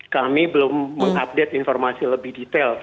kami belum mengupdate informasi lebih detail